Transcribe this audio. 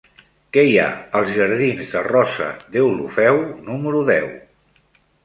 Què hi ha als jardins de Rosa Deulofeu número deu?